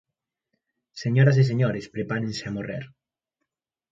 Señoras e señores, prepárense a morrer.